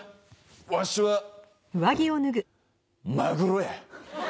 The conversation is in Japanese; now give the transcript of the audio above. わしはマグロや。